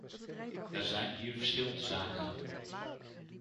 Er zijn hier verschillende zaken aan de orde.